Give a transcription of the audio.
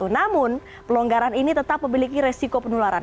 namun pelonggaran ini tetap memiliki resiko penularan